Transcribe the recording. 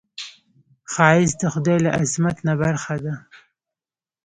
ښایست د خدای له عظمت نه برخه ده